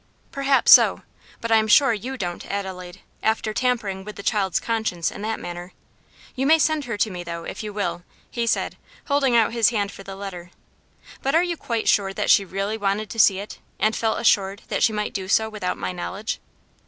"Perhaps so; but I am sure you don't, Adelaide, after tampering with the child's conscience in that manner. You may send her to me, though, if you will," he said, holding out his hand for the letter. "But are you quite sure that she really wanted to see it, and felt assured that she might do so without my knowledge?"